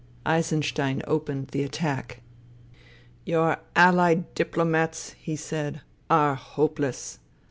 Eisenstein opened the attack. " Your allied diplomats," he said, " are hopeless.